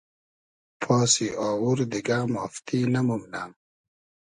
پاسی آوور دیگۂ مافتی نئمومنۂ